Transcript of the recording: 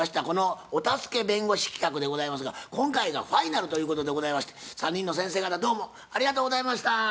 この「お助け弁護士企画」でございますが今回がファイナルということでございまして３人の先生方どうもありがとうございました。